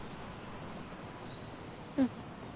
うん。